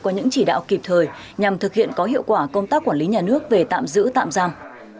có những chỉ đạo kịp thời nhằm thực hiện có hiệu quả công tác quản lý nhà nước về tạm giữ tạm giam